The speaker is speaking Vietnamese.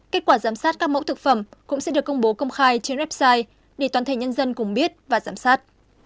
kết quả giám sát các mẫu thực phẩm cũng sẽ được công bố công khai trên website để toàn thể nhân dân cùng biết và giám sát